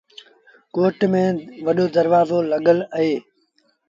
ڪوٽ ميݩ وڏو دروآزو لڳل اهي۔